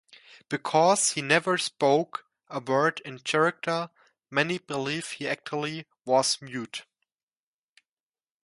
Because he never spoke a word in character, many believed he actually was mute.